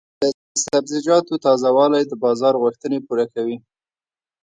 د سبزیجاتو تازه والي د بازار غوښتنې پوره کوي.